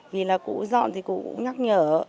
vì là cụ dọn thì cụ cũng nhắc nhở